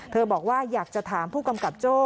บอกว่าอยากจะถามผู้กำกับโจ้